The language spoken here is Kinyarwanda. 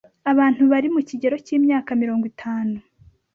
abantu bari mu kigero cy’imyaka mirongo itanu